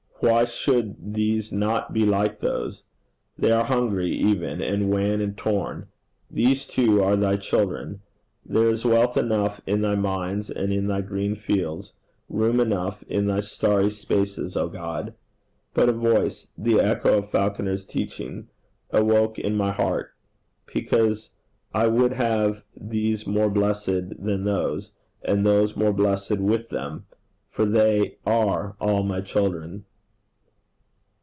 Why should these not be like those? They are hungry even, and wan and torn. These too are thy children. There is wealth enough in thy mines and in thy green fields, room enough in thy starry spaces, O God!' But a voice the echo of Falconer's teaching, awoke in my heart 'Because I would have these more blessed than those, and those more blessed with them, for they are all my children.'